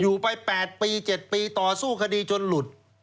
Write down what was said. อยู่ไป๘ปี๗ปีต่อสู้คดีจนหลุด